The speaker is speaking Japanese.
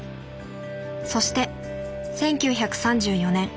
そして１９３４年。